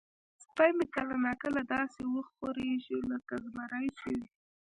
سپی مې کله نا کله داسې وخوریږي لکه زمری چې وي.